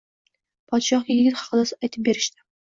Podshohga yigit haqida aytib berishdi